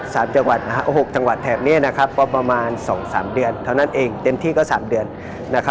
sekarang ini sudah dua tiga bulan dan tentu tiga bulan lagi